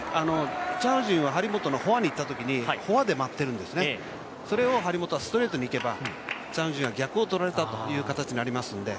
チャン・ウジンは張本のフォアにいったときにフォアで待ってるんですね、そのときにストレートでいけばチャン・ウジンを逆を取られた形になりますので。